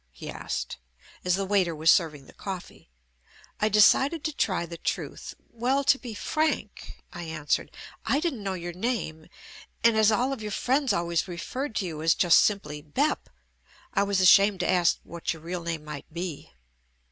he asked, as the waiter was serving the coffee. I decided to try the truth. "Well, to be frank," I answered, "I didn't know your name, and as all of your friends always referred to you as just simply 'Bep/ I was ashamed to ask what your real name might be."